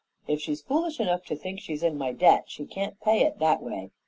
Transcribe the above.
If she's foolish enough to think she's in my debt she can't pay it in that way.